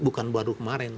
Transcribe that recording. bukan baru kemarin